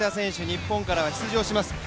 日本からは出場します。